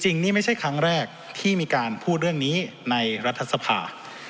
จริงนี่ไม่ใช่ครั้งแรกที่มีการพูดเรื่องนี้ในรัฐสภา